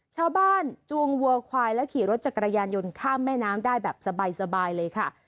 จวงวัวควายและขี่รถจักรยานยนต์ข้ามแม่น้ำได้แบบสบายเลยค่ะ